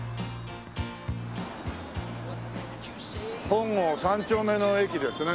本郷三丁目の駅ですね。